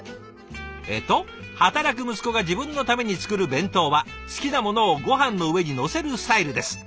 えっと「働く息子が自分のために作る弁当は好きなものをごはんの上にのせるスタイルです。